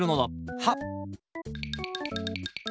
はっ！